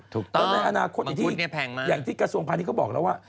ถูกต้องมันคุ้นเนี่ยแพงมากอย่างที่กระทรวงภารกิจก็บอกแล้วว่า